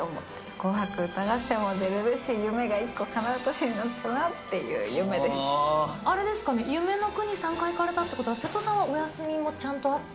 紅白歌合戦も出れるし、夢が１個かなう年になったなっていう夢であれですかね、夢の国３回行かれたってことは、せとさんはお休みもちゃんとあった？